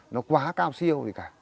nó quá cao siêu gì cả